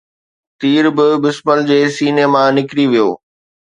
تير به بسمل جي سيني مان نڪري ويو